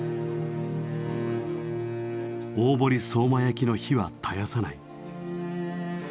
大堀相馬焼の灯は絶やさない。